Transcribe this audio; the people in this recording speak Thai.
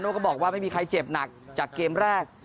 ก็บอกว่าไม่มีใครเจ็บหนักจากเกมแรก